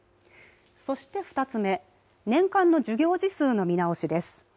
そして２つ目、年間の授業時数の見直しです。